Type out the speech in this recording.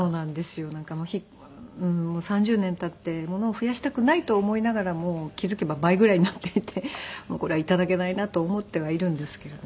３０年経って物を増やしたくないと思いながらも気付けば倍ぐらいになっていてこれは頂けないなと思ってはいるんですけれども。